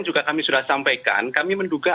juga kami sudah sampaikan kami menduga